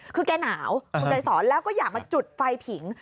คือแกหนาวคุณยายสอนแล้วก็อยากมาจุดไฟผิง